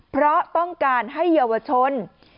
เพราะต้องการให้เยาวชน